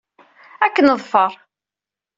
Ad k-neḍfer.